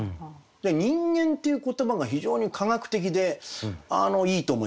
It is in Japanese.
で「人間」っていう言葉が非常に科学的でいいと思いました。